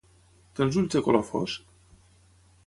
Té els ulls de color fosc?